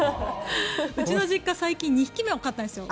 うちの実家最近２匹目を飼ったんですよ。